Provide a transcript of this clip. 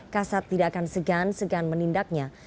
kasat tidak akan segan segan menindaknya